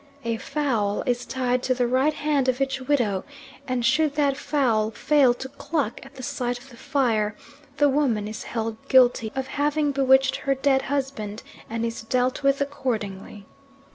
A fowl is tied to the right hand of each widow, and should that fowl fail to cluck at the sight of the fire the woman is held guilty of having bewitched her dead husband and is dealt with accordingly.